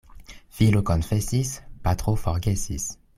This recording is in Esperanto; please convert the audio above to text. Filo konfesis, patro forgesis.